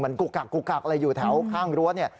มันกุกกักอะไรอยู่แถวข้างรวดนี่